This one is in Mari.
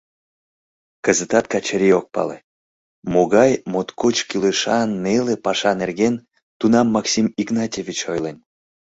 Кызытат Качырий ок пале, могай «моткоч кӱлешан, неле» паша нерген тунам Максим Игнатьевич ойлен.